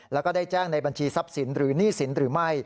แล้วก็ได้แจ้งในบัญชีทรัพย์สินหรือหนี้สินหรือไม่